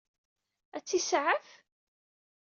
Ad tt-isaɛef?